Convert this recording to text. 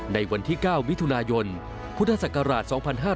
ในวันที่๙มิถุนายนพุทธศักราช๒๕๕๙